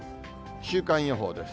週間予報です。